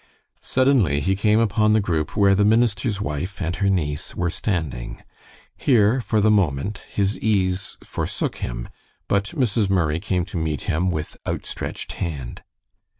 Suddenly he came upon the group where the minister's wife and her niece were standing. Here, for the moment, his ease forsook him, but Mrs. Murray came to meet him with outstretched hand.